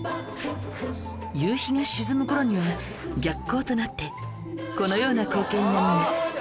夕日が沈む頃には逆光となってこのような光景になるんです